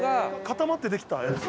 固まってできたやつ？